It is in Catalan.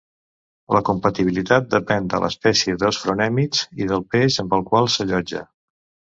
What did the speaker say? La compatibilitat depèn de l'espècie d'osfronèmids i el peix amb el qual s'allotja.